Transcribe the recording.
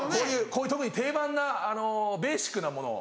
こういう特に定番なベーシックなもの